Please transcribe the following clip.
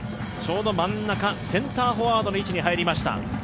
ちょうど真ん中、センターフォワードの位置に入りました。